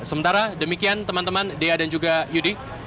sementara demikian teman teman dea dan juga yudi